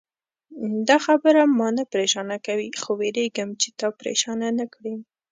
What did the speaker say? دا خبره ما نه پرېشانه کوي، خو وېرېږم چې تا پرېشانه نه کړي.